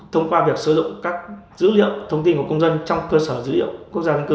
thông qua việc sử dụng các dữ liệu thông tin của công dân trong cơ sở dữ liệu quốc gia dân cư